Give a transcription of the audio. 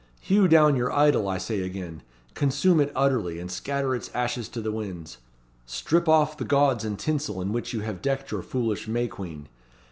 Hew down your idol I say again. Consume it utterly, and scatter its ashes to the winds. Strip off the gaudes and tinsel in which you have decked your foolish May Queen.